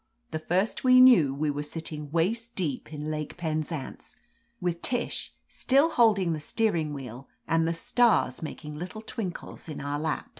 The first we knew we were sitting waist deep in Lake Penzance, with Tish still holding the steering wh^el and the stars making little twinkles in our laps.